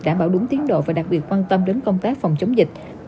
đảm bảo đúng tiến độ và đặc biệt quan tâm đến công tác phòng chống dịch